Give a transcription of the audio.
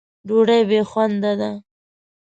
ډوډۍ بې خونده ده.